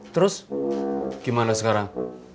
terus gimana sekarang